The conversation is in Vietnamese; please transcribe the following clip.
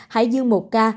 hải dương một ca